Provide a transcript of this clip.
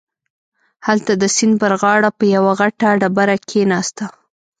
هلته د سيند پر غاړه په يوه غټه ډبره کښېناسته.